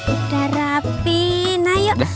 udah rapi ayo